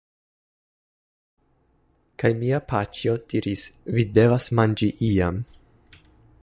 Kaj mia paĉjo diris: "Vi devas manĝi iam!"